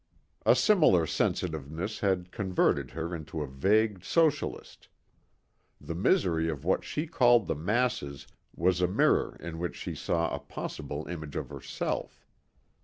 A similar sensitiveness had converted her into a vague socialist. The misery of what she called the masses was a mirror in which she saw a possible image of herself.